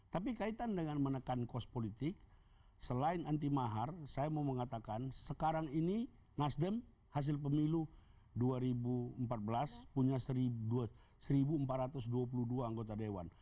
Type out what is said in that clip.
tapi kaitan dengan menekan kos politik selain anti mahar saya mau mengatakan sekarang ini nasdem hasil pemilu dua ribu empat belas punya seribu empat ratus dua puluh dua anggota dewan